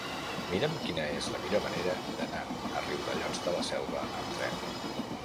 Mira'm quina és la millor manera d'anar a Riudellots de la Selva amb tren.